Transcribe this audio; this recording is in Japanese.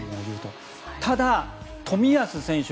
ただ、冨安選手